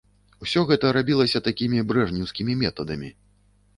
Усё гэта рабілася такімі брэжнеўскімі метадамі.